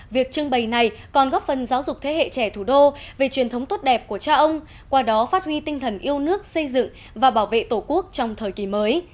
về truyền thống tốt đẹp của cha ông qua đó phát huy tinh thần yêu nước xây dựng và bảo vệ tổ quốc trong thời kỳ mới